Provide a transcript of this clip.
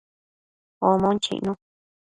Omon chicnu